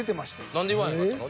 何で言わへんかったの？